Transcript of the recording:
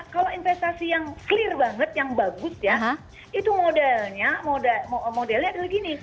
kalau investasi yang clear banget yang bagus ya itu modelnya modelnya adalah gini